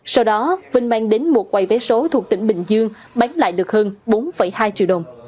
sau đó vinh mang đến một quầy vé số thuộc tỉnh bình dương bán lại được hơn bốn hai triệu đồng